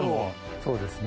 そうですね。